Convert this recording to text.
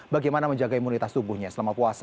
bagaimana menjaga imunitas tubuhnya selama puasa